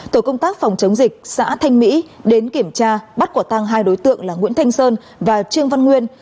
tổ công tác phòng chống dịch xã thanh mỹ đến kiểm tra bắt quả tăng hai đối tượng là nguyễn thanh sơn và trương văn nguyên